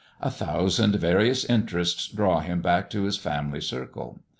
A thousand various interests draw him back to his family circle.